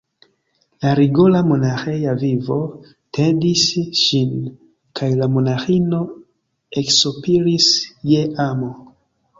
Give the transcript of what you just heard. La rigora monaĥeja vivo tedis ŝin, kaj la monaĥino eksopiris je amo.